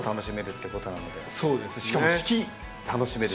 しかも四季楽しめる。